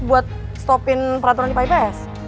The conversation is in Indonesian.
buat stopin peraturan di pips